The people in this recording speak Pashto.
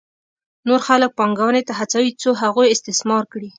نور خلک پانګونې ته هڅوي څو هغوی استثمار کړي